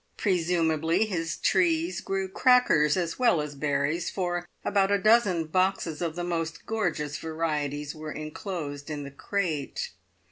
Presumably his trees grew crackers as well as berries, for about a dozen boxes of the most gorgeous varieties were enclosed in the crate.